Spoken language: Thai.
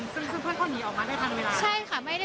ซึ่งเพื่อนเขาหนีออกมาได้ทันเวลาใช่ค่ะ